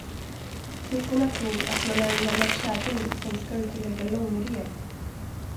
Flickorna tror att man är en gammal käring som skall ut och lägga långrev.